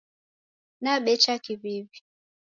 Nabecha kiw'iw'i